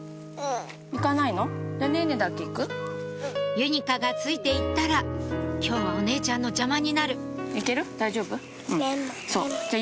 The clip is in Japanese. ゆにかがついて行ったら今日はお姉ちゃんの邪魔になるそうじゃあ。